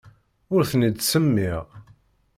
Ur ten-id-ttsemmiɣ.